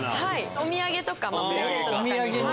お土産とかプレゼントとかに。